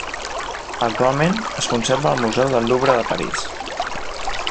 Actualment es conserva al Museu del Louvre de París.